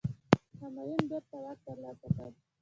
همایون بیرته واک ترلاسه کړ.